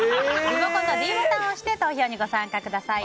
リモコンのｄボタンを押して投票にご参加ください。